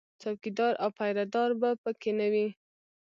څوکیدار او پیره دار به په کې نه وي